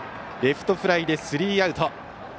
レフトフライでスリーアウト。